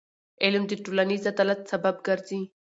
علم د ټولنیز عدالت سبب ګرځي.